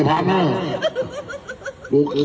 มันโทษจริง